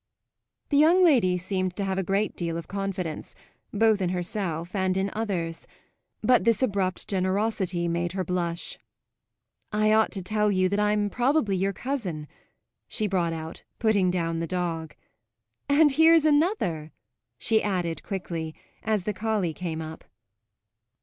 The young lady seemed to have a great deal of confidence, both in herself and in others; but this abrupt generosity made her blush. "I ought to tell you that I'm probably your cousin," she brought out, putting down the dog. "And here's another!" she added quickly, as the collie came up.